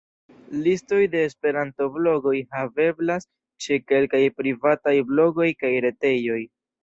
Listoj de esperanto-blogoj haveblas ĉe kelkaj privataj blogoj kaj retejoj.